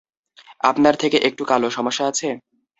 আপনার থেকে একটু কালো, সমস্যা আছে?